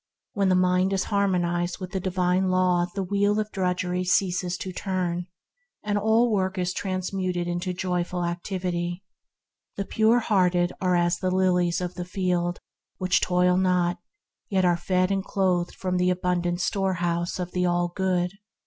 When the mind is harmonized with the Divine Law the wheel of drudgery ceases to turn, and all work is transmuted into joyful activity. The pure hearted are as the lilies of the field, which toil not, yet are fed and clothed from the abundant storehouse of the All Good.